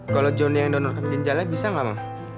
kalau johnny yang donorkan ginjalnya bisa gak ma